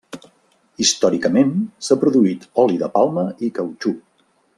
Històricament s’ha produït oli de palma i cautxú.